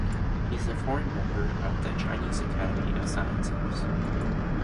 He is a foreign member of the Chinese Academy of Sciences.